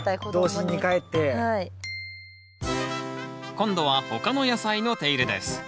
今度は他の野菜の手入れです。